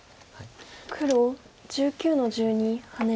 黒１９の十二ハネ。